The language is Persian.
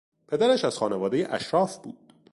پدرش از خانوادهی اشراف بود.